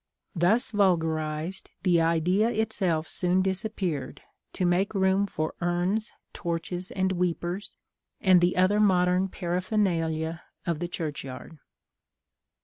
Thus vulgarised, the idea itself soon disappeared, to make room for urns, torches, and weepers, and the other modern paraphernalia of the churchyard.